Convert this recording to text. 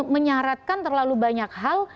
menyaratkan terlalu banyak hal